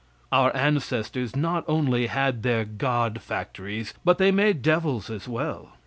Our ancestors not only had their God factories, but they made devils as well.